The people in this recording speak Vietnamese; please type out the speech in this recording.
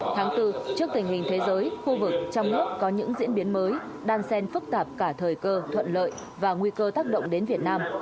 tháng bốn trước tình hình thế giới khu vực trong nước có những diễn biến mới đan sen phức tạp cả thời cơ thuận lợi và nguy cơ tác động đến việt nam